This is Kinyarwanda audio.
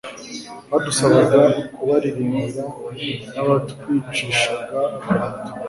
badusabaga kubaririmbira n'abatwicishaga agahato